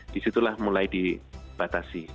disitulah mulai dibatasi